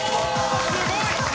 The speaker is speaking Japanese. すごい！